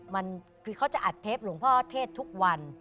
มันคือเขาจะอัดเทปหลวงพ่อเทศทุกวัน